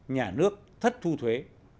nhà nước thất thu thuế